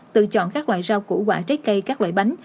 tự chọn các loại rau củ quả trái cây các loại bánh